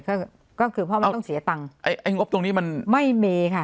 ก็คือเพราะมันต้องเสียตังค์ไอ้งบตรงนี้มันไม่มีค่ะ